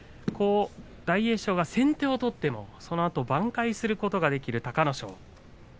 大栄翔が先手を取ってもそのあと挽回することができる隆の勝。